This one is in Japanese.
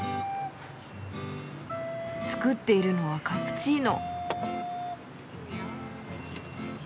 作っているのはカプチーノ。